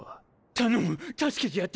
頼む助けてやってくれ。